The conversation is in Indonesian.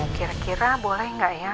kira kira boleh nggak ya